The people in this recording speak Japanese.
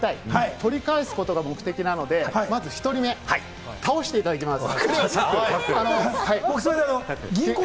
取り返すことが目的なので、まず１人目、倒していただきます。